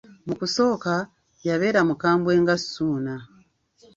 Mu kusooka, yabeera mukambwe nga Ssuuna.